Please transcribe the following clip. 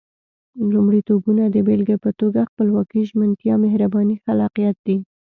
لومړيتوبونه د بېلګې په توګه خپلواکي، ژمنتيا، مهرباني، خلاقيت دي.